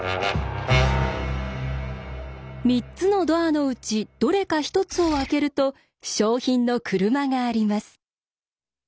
３つのドアのうちどれか１つを開けると賞品の車があります。